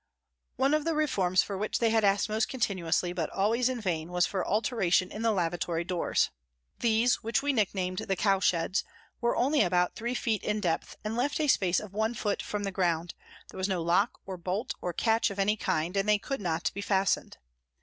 One of the reforms for which they had asked most continuously, but always in vain, was for alteration in the lavatory doors. These, which we nick named " the cowsheds," were only about three feet in depth and left a space of one foot from the ground, there was no lock or bolt or catch of any kind and they could not be fastened.